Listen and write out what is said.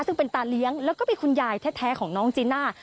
ซึ่งเป็นตาเลี้ยงแล้วก็เป็นคุณยายแท้ของน้องจีน่า